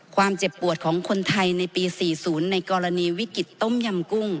ความเจ็บปวดของคนไทยในปี๔๐ในกรณีวิกฤตต้มยำกุ้ง